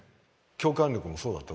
共感力もそうだと思う。